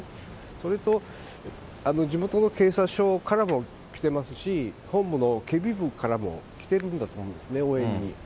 それと、地元の警察署からも来てますし、本部の警備部からも来てるんだと思うんですね、応援に。